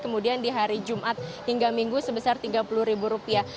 kemudian di hari jumat hingga minggu sebesar tiga puluh ribu rupiah